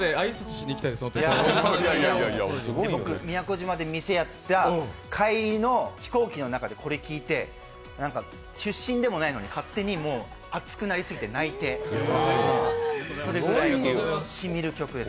僕、宮古島で店やった帰りの飛行機の中のこれ聴いて、出身でもないのに勝手に熱くなりすぎて泣いてそれぐらい染みる曲です。